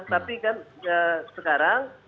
tapi kan sekarang